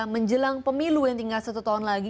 menjelang pemilu yang tinggal satu tahun lagi